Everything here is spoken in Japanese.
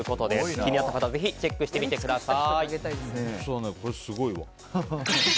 気になった方はぜひチェックしてみてください。